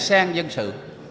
sang dân sự